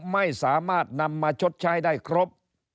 ไม่สามารถนำมาชดใช้ได้ครบ